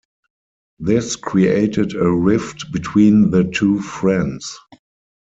This created a rift between the two friends.